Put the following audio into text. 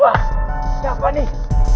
wah siapa nih